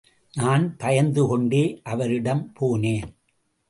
நான் பயந்து கொண்டே அவரிடம் போனேன்.